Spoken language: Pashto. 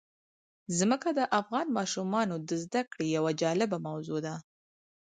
ځمکه د افغان ماشومانو د زده کړې یوه جالبه موضوع ده.